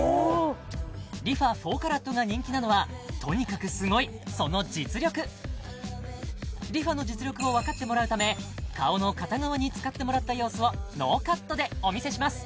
ＲｅＦａ４ＣＡＲＡＴが人気なのはとにかくすごいその実力ＲｅＦａの実力を分かってもらうため顔の片側に使ってもらった様子をノーカットでお見せします